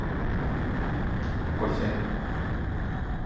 Pour quoi faire ?…